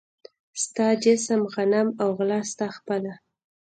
ستا جسم، غنم او غله ستا خپله